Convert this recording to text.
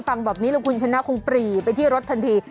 ฟังแบบนี้แล้วคุณชนะคงปรีไปที่รถทันที